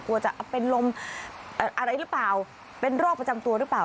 กลัวจะเป็นลมอะไรหรือเปล่าเป็นโรคประจำตัวหรือเปล่า